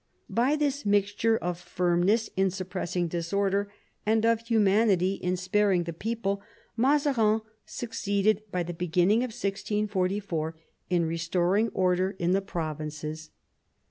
By this mixture of firm ness in suppressing disorder and of humanity in sparing the people, Mazarin succeeded by the beginning of 1644 in restoring order in the provinces.